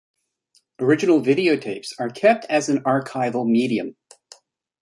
Original video tapes are kept as an archival medium.